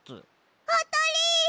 あたり！